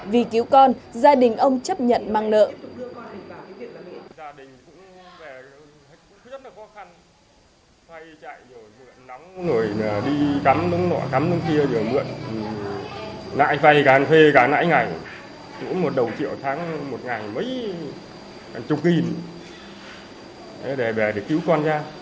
vì cứu con gia đình ông chấp nhận mang nợ